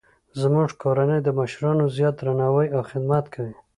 زموږ کورنۍ د مشرانو زیات درناوی او خدمت کوي